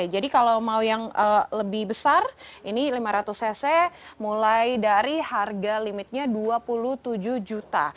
kalau mau yang lebih besar ini lima ratus cc mulai dari harga limitnya dua puluh tujuh juta